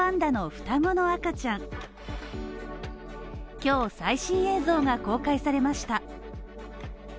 今日、最新映像が公開されました。